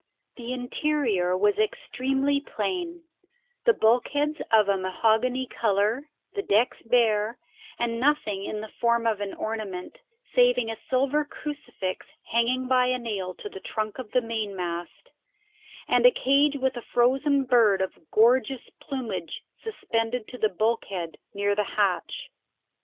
The interior was extremely plain: the bulkheads of a mahogany colour, the decks bare, and nothing in the form of an ornament saving a silver crucifix hanging by a nail to the trunk of the mainmast, and a cage with a frozen bird of gorgeous plumage suspended to the bulkhead near the hatch.